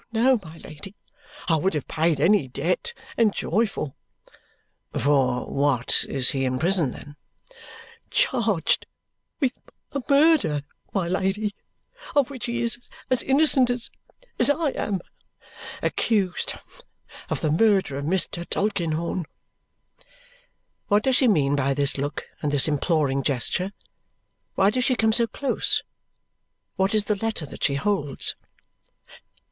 "Oh, no, my Lady; I would have paid any debt, and joyful." "For what is he in prison then?" "Charged with a murder, my Lady, of which he is as innocent as as I am. Accused of the murder of Mr. Tulkinghorn." What does she mean by this look and this imploring gesture? Why does she come so close? What is the letter that she holds?